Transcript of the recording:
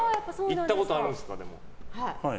行ったことあるんですか、でも。